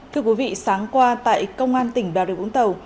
thưa quý vị sáng qua tại công an tỉnh bà rịa vũng tàu